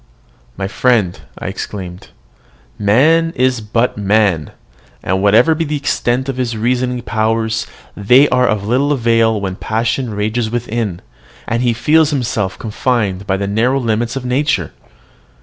"My friend!" I exclaimed, "man is but man; and, whatever be the extent of his reasoning powers, they are of little avail when passion rages within, and he feels himself confined by the narrow limits of nature.